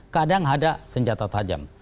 kadang ada senjata tajam